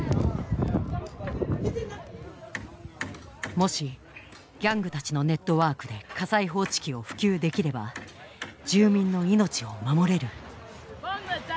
もしギャングたちのネットワークで火災報知器を普及できれば住民の命を守れる。